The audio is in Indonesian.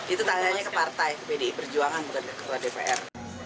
itu tanya tanya ke partai ke pdip berjuangan kepada ketua dpr